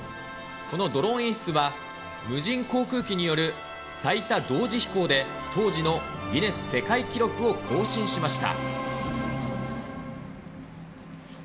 このドローン演出は、無人航空機による最多同時飛行で、当時のギネス世界記録を更新しました。